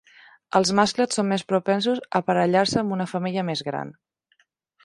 Els mascles són més propensos a aparellar-se amb una femella més gran.